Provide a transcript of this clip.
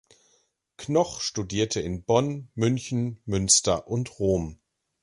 Knoch studierte in Bonn, München, Münster und Rom.